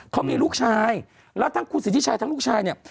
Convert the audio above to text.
เขามีลูกชายแล้วทั้งคุณสิทธิชัยทั้งลูกชายเนี่ย